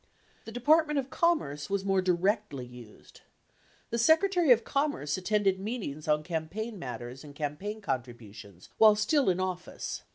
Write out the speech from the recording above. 77 The Department of Commerce was more directly used. The Secre tary of Commerce attended meetings on campaign matters and campaign contributions while still in office.